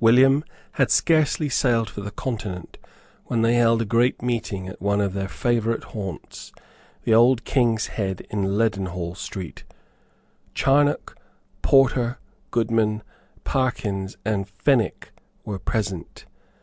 William had scarcely sailed for the Continent when they held a great meeting at one of their favourite haunts, the Old King's Head in Leadenhall Street. Charnock, Porter, Goodman, Parkyns and Fenwick were present.